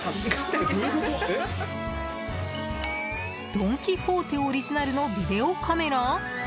ドン・キホーテオリジナルのビデオカメラ？